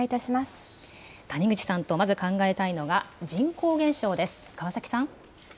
谷口さんとまず考えたいのが、人口減少です。